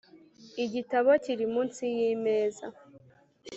igitabo kiri munsi yimeza.